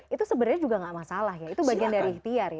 itu sebenarnya juga nggak masalah ya itu bagian dari ikhtiar ya